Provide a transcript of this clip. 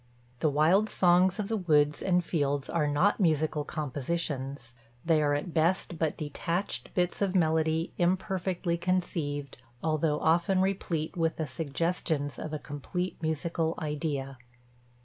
The wild songs of the woods and fields are not musical compositions; they are at best but detached bits of melody imperfectly conceived, although often replete with the suggestions of a complete musical idea.